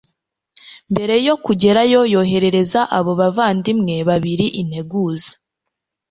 Mbere yo kugerayo yoherereza abo bavandimwe babiri integuza.